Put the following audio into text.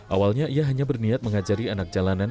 awalnya ia hanya berniat mengajari anak jalanan